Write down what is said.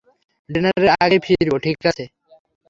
ডিনারের আগেই ফিরব, ঠিক আছে?